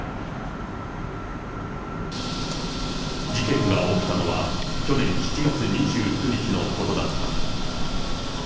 事件が起きたのは、去年７月２９日のことだった。